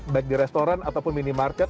baik di restoran ataupun minimarket